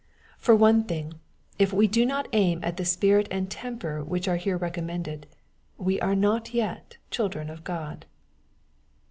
For one thing, if we do not aim at the spirit and tem per which are here recommended, we are not yet children of God.